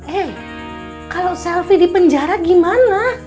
eh kalau selfie di penjara gimana